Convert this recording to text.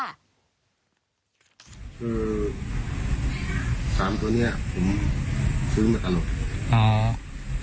คือ๓ตัวเนี่ยผมซื้อมาตลอด